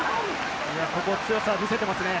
ここ、強さを見せてますね。